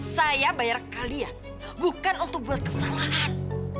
saya bayar kalian bukan untuk buat kesalahan